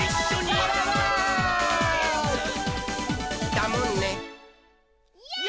だもんね。